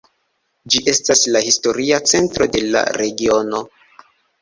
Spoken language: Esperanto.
Ĝi estas la historia centro de la regiono.